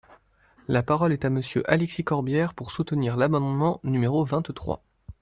La parole est à Monsieur Alexis Corbière, pour soutenir l’amendement numéro vingt-trois.